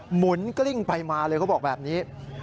หมุนกลิ้งไปมาเลยเขาบอกแบบนี้